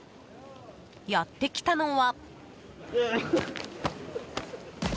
やってきたのは。